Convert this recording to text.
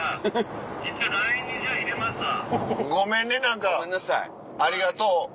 ごめんね何かありがとう。